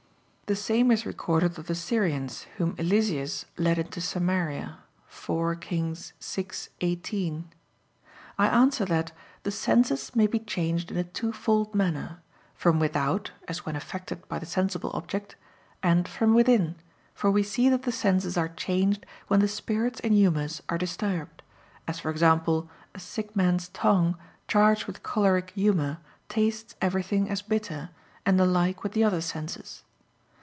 ] The same is recorded of the Syrians whom Eliseus led into Samaria (4 Kings 6:18). I answer that, The senses may be changed in a twofold manner; from without, as when affected by the sensible object: and from within, for we see that the senses are changed when the spirits and humors are disturbed; as for example, a sick man's tongue, charged with choleric humor, tastes everything as bitter, and the like with the other senses.